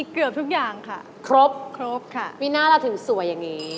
คุณดิงค่ะอุปกรณ์เสริมสวย